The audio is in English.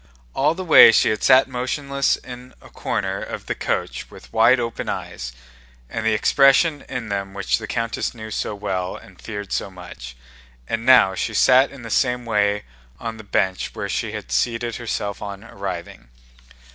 All the way she had sat motionless in a corner of the coach with wide open eyes, and the expression in them which the countess knew so well and feared so much, and now she sat in the same way on the bench where she had seated herself on arriving.